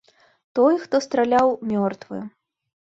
Той, хто страляў, мёртвы.